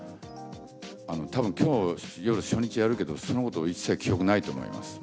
たぶん、きょう夜初日やるけど、そのこと一切記憶ないと思います。